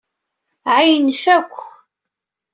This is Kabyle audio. Ɛeyynent-ak.